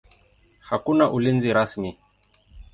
Hakuna ulinzi rasmi.